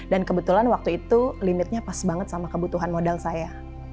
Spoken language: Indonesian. dan kebetulan waktu itu limitnya pas banget sama kebutuhan modal saya